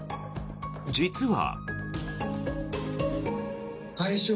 実は。